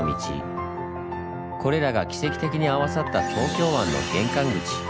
これらが奇跡的に合わさった東京湾の玄関口。